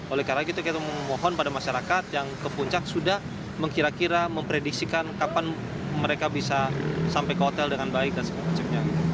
oleh karena itu kita memohon pada masyarakat yang ke puncak sudah mengkira kira memprediksikan kapan mereka bisa sampai ke hotel dengan baik dan segala macamnya